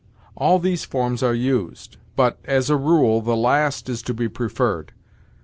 All these forms are used, but, as a rule, the last is to be preferred.